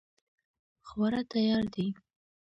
خواړه تیار دي